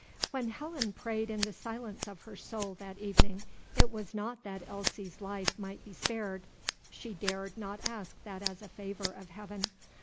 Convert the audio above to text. When Helen prayed in the silence of her soul that evening, it was not that Elsie's life might be spared. She dared not ask that as a favor of Heaven.